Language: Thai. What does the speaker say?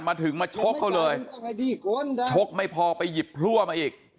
มาถึงมาชกเขาเลยชกไม่พอไปหยิบพลั่วมาอีก